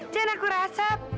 dan aku rasa